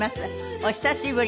お久しぶり